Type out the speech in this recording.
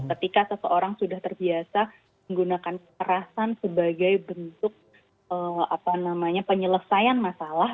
ketika seseorang sudah terbiasa menggunakan kerasan sebagai bentuk penyelesaian masalah